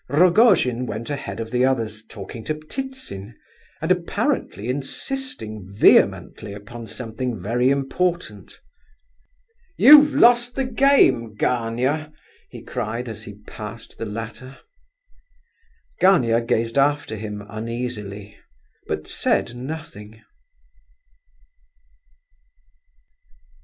Rogojin went ahead of the others, talking to Ptitsin, and apparently insisting vehemently upon something very important. "You've lost the game, Gania" he cried, as he passed the latter. Gania gazed after him uneasily, but said nothing.